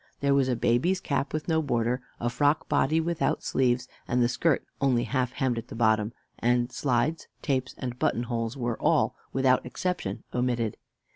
There was a baby's cap with no border, a frock body without sleeves, and the skirt only half hemmed at the bottom; and slides, tapes, and buttonholes were all, without exception, omitted.